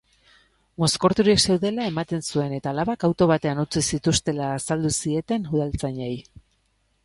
Mozkorturik zeudela ematen zuen eta alabak auto batean utzi zituztela azaldu zieten udaltzainei.